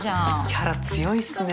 キャラ強いっすね。